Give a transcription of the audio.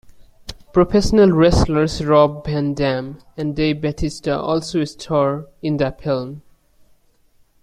Professional wrestlers Rob Van Dam and Dave Batista also star in that film.